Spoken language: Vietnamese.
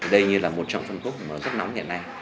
đây như là một trong phân khúc rất nóng hiện nay